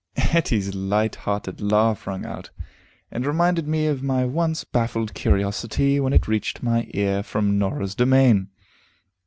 Etty's light hearted laugh rung out, and reminded me of my once baffled curiosity when it reached my ear from Norah's domain.